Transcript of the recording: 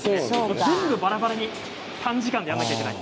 全部バラバラで短時間にやらなければいけない。